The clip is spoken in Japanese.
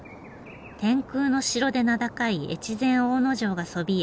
天空の城で名高い越前大野城がそびえ